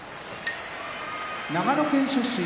長野県出身